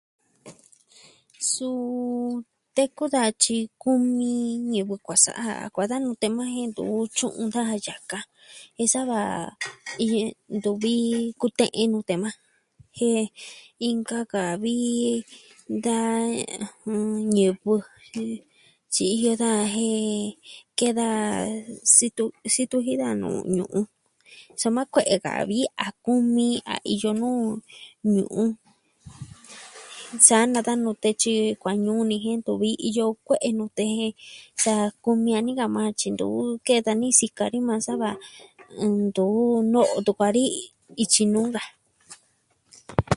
Suu teku daa tyi kumi ñivɨ kuaa sa'a ja kuaa da nute maa jen ntu'u tyu'un daja yaka. Jen sava iyo... ntuvi kute'en nute maa. Jen inka ka vi... nkaa... jɨn... ñivɨ jen, tyiji o da jen... kee daa... situ, situ jin da nuu ñu'un. Soma kue'e ka vi a kumi a iyo nuu ñu'un. Sa'a na ka nute tyi kuaa ñu'un ni jen ntuvi iyo kue'e nute jen sa kumi a ni ka maa tyi ntu'u kee dani sika ni maa sava nn... ntu no'o ntu kua'an ni ityi nuu ka.